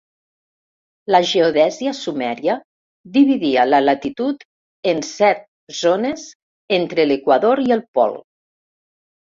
La geodèsia sumèria dividia la latitud en set zones entre l'equador i el pol.